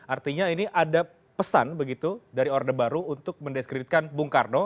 artinya ini ada pesan begitu dari orde baru untuk mendeskreditkan bung karno